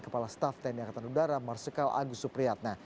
kepala staf tni angkatan udara marsikal agus supriyat